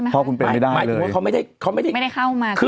หมายถึงว่าเขาไม่ได้เข้ามา